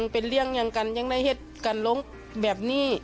เป็นเรื่องอย่างกันยังได้เห็ดกันลงแบบนี้